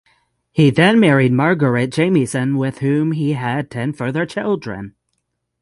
He then married Margaret Jamieson with whom he had ten further children.